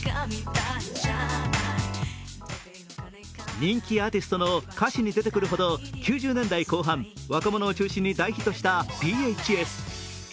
人気アーティストの歌詞に出てくるほど９０年代後半、若者を中心に大ヒットしたＰＨＳ。